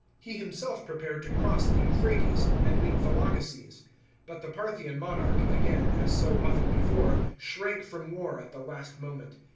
He himself prepared to cross the Euphrates, and meet Vologeses. But the Parthian monarch, again, as so often before, shrank from war at the last moment.